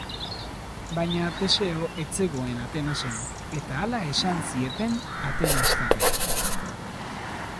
Baina Teseo ez zegoen Atenasen, eta hala esan zieten atenastarrek.